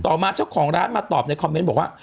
ต่อมาเจ้าของร้านมาตอบในคอมเมนต์บอกว่า